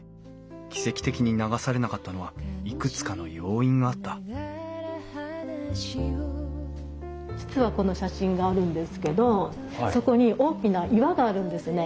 奇跡的に流されなかったのはいくつかの要因があった実はこの写真があるんですけどそこに大きな岩があるんですね。